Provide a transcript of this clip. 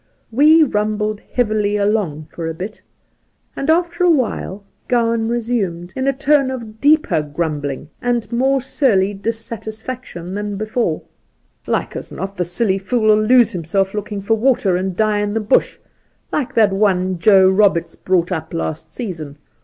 We rumbled heavily along for a bit, and after a while Gowan resumed, in a tone of deeper grumbling and more surly dissatisfaction than before :' Like as not the silly, young fool '11 lose himself looking for water, and. die in the Bush, like that one Joe Roberts brought up last season.